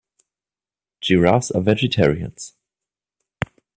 Giraffes are vegetarians.